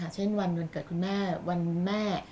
เช่นวันวันเกิดคุณแม่วันวุ้นแม่